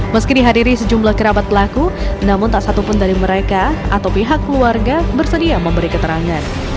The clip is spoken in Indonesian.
meski dihadiri sejumlah kerabat pelaku namun tak satupun dari mereka atau pihak keluarga bersedia memberi keterangan